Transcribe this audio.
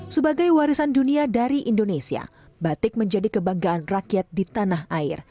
sebagai warisan dunia dari indonesia batik menjadi kebanggaan rakyat di tanah air